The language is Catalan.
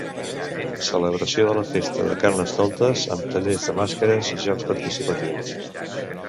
Celebració de la festa de Carnestoltes amb tallers de màscares i jocs participatius.